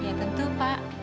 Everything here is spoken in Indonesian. ya tentu pak